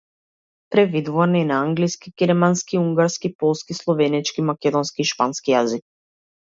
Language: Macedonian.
Преведуван е на англиски, германски, унгарски, полски, словенечки, македонски и шпански јазик.